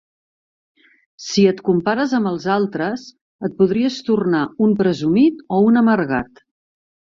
Si et compares amb els altres, et podries tornar un presumit o un amargat